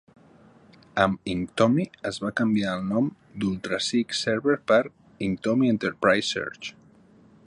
Amb Inktomi, es va canviar el nom d'Ultraseek Server per "Inktomi Enterprise Search".